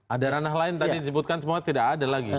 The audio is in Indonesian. ada ranah lain tadi disebutkan semua tidak ada lagi